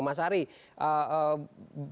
mas ari bagaimana kemudian